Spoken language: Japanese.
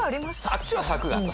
あっちは柵があった。